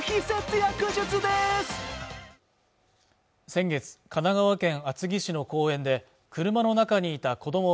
先月神奈川県厚木市の公園で車の中にいた子ども